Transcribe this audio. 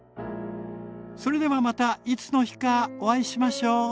それではまたいつの日かお会いしましょう。